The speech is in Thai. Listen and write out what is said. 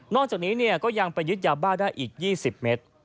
จากนี้ก็ยังไปยึดยาบ้าได้อีก๒๐เมตร